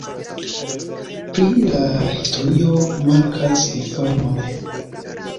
Pri la historio mankas informoj.